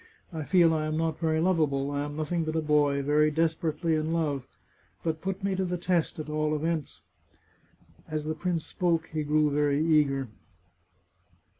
I feel I am not very lovable ; I am nothing but a boy, very desperately in love. But put me to the test, at all events !" As the prince spoke he grew very eager.